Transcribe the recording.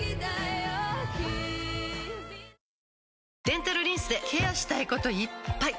デンタルリンスでケアしたいこといっぱい！